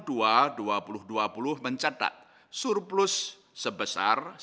dan diperlukan untuk menurunkan devisit transaksi berjalan